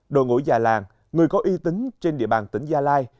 đội ngũ già làng người có uy tín trên địa bàn tỉnh gia lai